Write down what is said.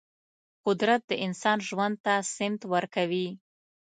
قدرت د انسان ژوند ته سمت ورکوي.